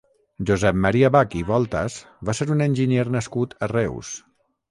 Josep Maria Bach i Voltas va ser un enginyer nascut a Reus.